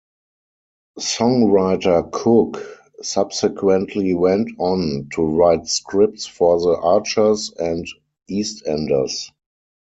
Songwriter Cook subsequently went on to write scripts for "The Archers" and "EastEnders".